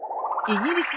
イギリス。